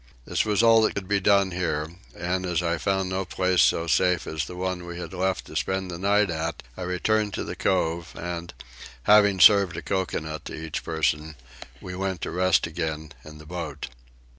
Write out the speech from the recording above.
This was all that could be done here and, as I found no place so safe as the one we had left to spend the night at, I returned to the cove and, having served a coconut to each person, we went to rest again in the boat.